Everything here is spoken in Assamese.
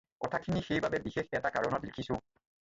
কথাখিনি সেইবাবে বিশেষ এটা কাৰণত লিখিছোঁ।